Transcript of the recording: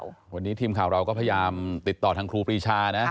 วันนี้ทีมข่าวเราก็พยายามติดต่อทางครูปรีชานะ